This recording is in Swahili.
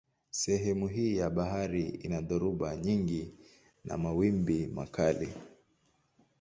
Sehemu hii ya bahari ina dhoruba nyingi na mawimbi makali.